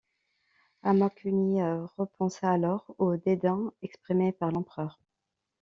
Amakuni repensa alors au dédain exprimé par l'Empereur.